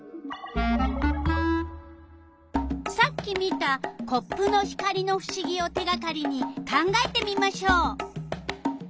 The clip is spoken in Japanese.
さっき見たコップの光のふしぎを手がかりに考えてみましょう。